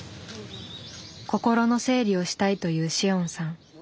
心の整理をしたいという紫桜さん。